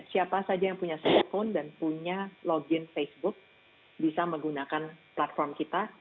siapa saja yang punya smartphone dan punya login facebook bisa menggunakan platform kita